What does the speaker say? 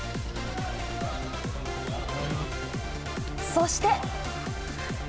そして。